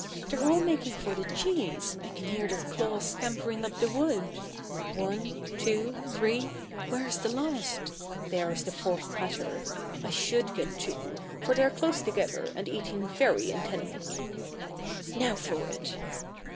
They're all making for the cheese; I can hear their claws scampering up the wood. One two three where's the last? There's the fourth patter. I should get two, for they're close together and eating very intently. Now for it!